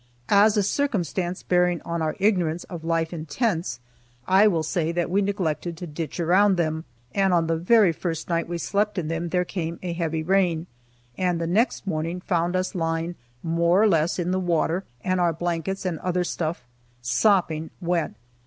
As a circumstance bearing on our ignorance of life in tents, I will say that we neglected to ditch around them, and on the very first night we slept in them there came a heavy rain, and the next morning found us lying more or less in the water, and our blankets and other stuff sopping wet.